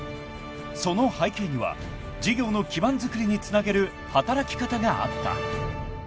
［その背景には事業の基盤づくりにつなげる働き方があった］